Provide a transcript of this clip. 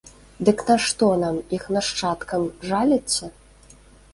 Дык на што нам, іх нашчадкам, жаліцца?